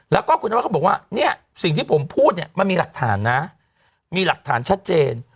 แล้วก็คุณนวัดเขาบอกว่าเนี่ยสิ่งที่ผมพูดเนี่ยมันมีหลักฐานนะมีหลักฐานชัดเจน